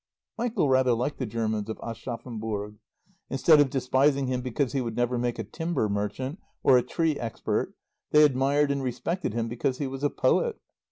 Michael rather liked the Germans of Aschaffenburg. Instead of despising him because he would never make a timber merchant or a tree expert, they admired and respected him because he was a poet.